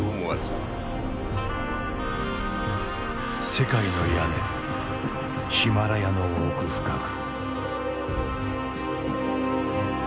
世界の屋根ヒマラヤの奥深く。